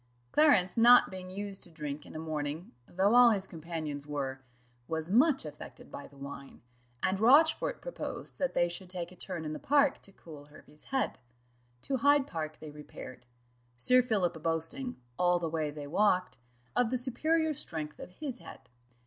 Clarence not being used to drink in a morning, though all his companions were, was much affected by the wine, and Rochfort proposed that they should take a turn in the park to cool Hervey's head. To Hyde park they repaired; Sir Philip boasting, all the way they walked, of the superior strength of his head.